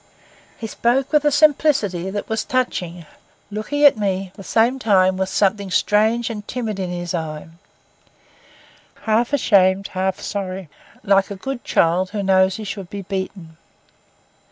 He spoke with a simplicity that was touching, looking at me at the same time with something strange and timid in his eye, half ashamed, half sorry, like a good child who knows he should be beaten.